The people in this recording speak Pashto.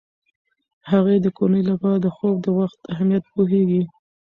هغې د کورنۍ لپاره د خوب د وخت اهمیت پوهیږي.